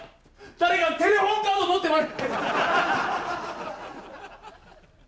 誰かテレホンカード持ってない！？